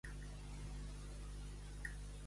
On va anar Laios?